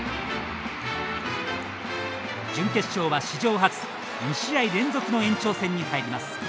準決勝は史上初２試合連続の延長戦に入ります。